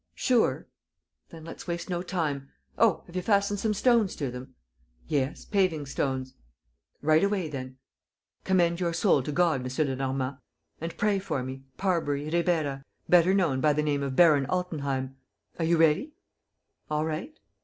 Sure? Then let's waste no time. ... Oh, have you fastened some stones to them?" "Yes, paving stones." "Right away, then! Commend your soul to God, M. Lenormand, and pray for me, Parbury Ribeira, better known by the name of Baron Altenheim. Are you ready? All right?